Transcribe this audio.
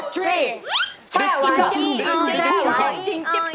แช่ไหว้อี้ออยอี้ออย